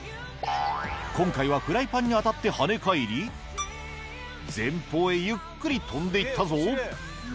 今回はフライパンに当たって跳ね返り前方へゆっくり飛んで行ったぞ